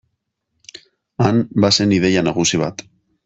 Han bazen ideia nagusi bat.